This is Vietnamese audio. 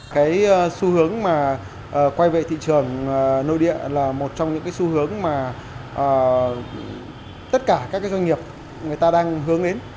cái xu hướng mà quay về thị trường nội địa là một trong những cái xu hướng mà tất cả các doanh nghiệp người ta đang hướng đến